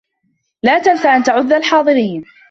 لا تنس أن تعدّ الحاضرين.